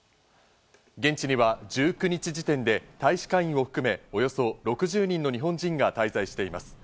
現地には１９日時点で大使館員を含め、およそ６０人の日本人が滞在しています。